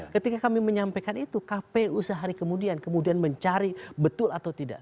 ketika kami menyampaikan itu kpu sehari kemudian kemudian mencari betul atau tidak